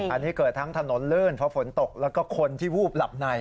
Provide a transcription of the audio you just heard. อันนี้เกิดทั้งถนนลื่นเพราะฝนตกแล้วก็คนที่วูบหลับใน